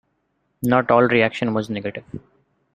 Not all reaction was negative.